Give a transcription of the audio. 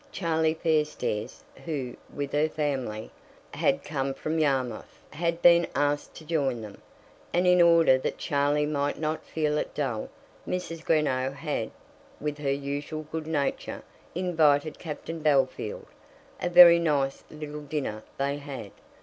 Charlie Fairstairs, who, with her family, had come home from Yarmouth, had been asked to join them; and in order that Charlie might not feel it dull, Mrs. Greenow had, with her usual good nature, invited Captain Bellfield. A very nice little dinner they had.